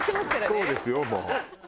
そうですよもう。